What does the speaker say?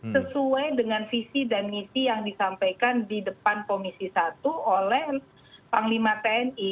sesuai dengan visi dan misi yang disampaikan di depan komisi satu oleh panglima tni